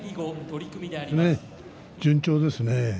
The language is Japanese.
順調ですね。